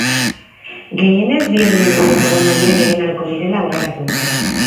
Gehienez bi edo hiru orduko egonaldiak egin ahalko direla aurreratu dute.